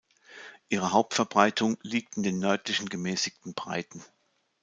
Ihre Hauptverbreitung liegt in den nördlichen gemäßigten Breiten.